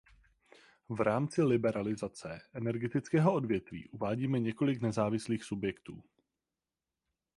V rámci liberalizace energetického odvětví uvádíme několik nezávislých subjektů.